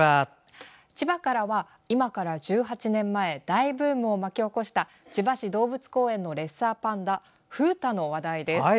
千葉からは、今から１８年前大ブームを巻き起こした千葉市動物公園のレッサーパンダ風太の話題です。